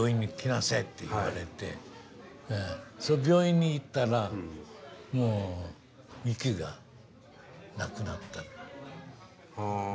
それで病院に行ったらもう息がなくなっていた。